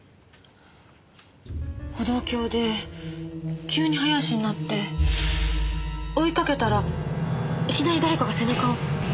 歩道橋で急に早足になって追いかけたらいきなり誰かが背中を。